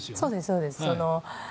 そうです。